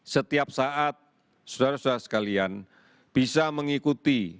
setiap saat saudara saudara sekalian bisa mengikuti